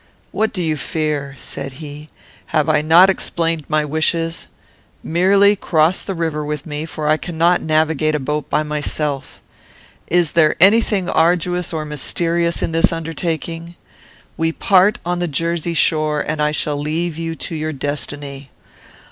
"What do you fear?" said he. "Have I not explained my wishes? Merely cross the river with me, for I cannot navigate a boat by myself. Is there any thing arduous or mysterious in this undertaking? we part on the Jersey shore, and I shall leave you to your destiny.